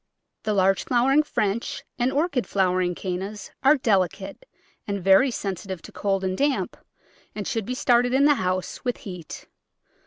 The large flowering French and Orchid flowered Cannas are delicate and very sensitive to cold and damp and should be started in the house with heat.